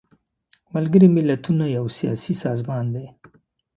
ملګري ملتونه یو سیاسي سازمان دی.